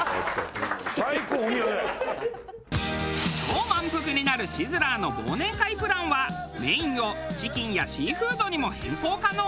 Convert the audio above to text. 超満腹になるシズラーの忘年会プランはメインをチキンやシーフードにも変更可能。